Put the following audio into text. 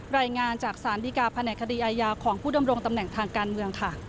รายงานจากศาลดีกาแผนกคดีอายาของผู้ดำรงตำแหน่งทางการเมืองค่ะ